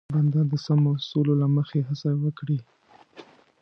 بنده د سمو اصولو له مخې هڅه وکړي.